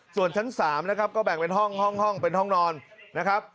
ส่วนชั้น๓นะครับก็แบ่งเป็นห้องห้องเป็นห้องนอนนะครับ